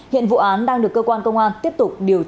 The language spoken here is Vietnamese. hiện vụ án đang được cơ quan công an tiếp tục điều tra xử lý